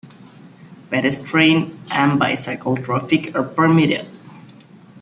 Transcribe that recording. Pedestrian and bicycle traffic are permitted.